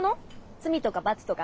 罪とか罰とか？